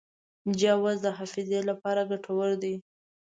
جوز د حافظې لپاره ګټور دي.